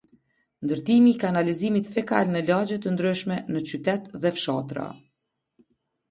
Ndërtimi i kanalizimit fekal në lagje të ndryshme në qytet dhe fshatra